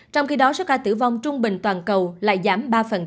trong khi đó số ca tử vong trung bình toàn cầu lại giảm ba